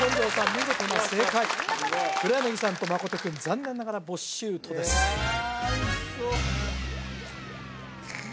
見事な正解黒柳さんと真君残念ながらボッシュートですいや